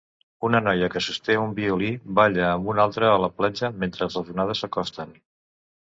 Una noia que sosté un violí balla amb una altra a la platja mentre les onades s'acosten.